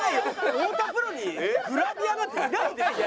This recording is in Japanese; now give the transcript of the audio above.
太田プロにグラビアなんていないでしょ。